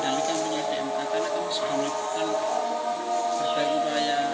ada yang kayak ya sanitasi isolasi tapi beberapa teman teman itu masih ada yang berpikir pikir